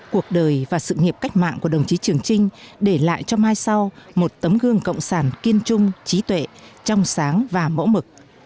cuộc đời và sự nghiệp cách mạng của đồng chí trường trinh để lại cho mai sau một tấm gương cộng sản kiên trung trí tuệ trong sáng và mẫu mực